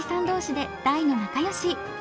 同士で大の仲良し。